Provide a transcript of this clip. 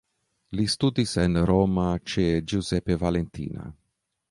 Li studis en Roma ĉe Giuseppe Valentina.